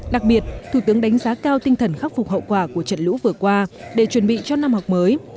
đặc biệt thủ tướng đánh giá cao tinh thần khắc phục hậu quả của trận lũ vừa qua để chuẩn bị cho năm học mới